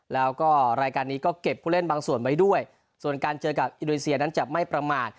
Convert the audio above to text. แล้วก็รายการนี้ก็เก็บผู้เล่นบางส่วนไว้ด้วยส่วนการเจอกับอินโดนีเซียนั้นจะไม่ประมาท